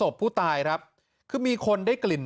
พ่อไปฟังหน่อยครับ